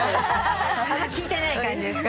あんま聴いてない感じですか？